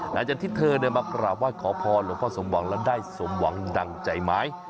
หลังจากที่เธอมากราบไหว้ขอพรหลวงพ่อสมหวังแล้วได้สมหวังดังใจไหม